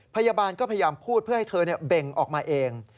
พยาบาลก็พยายามพูดเพื่อให้เธอเบ่งออกมาเอง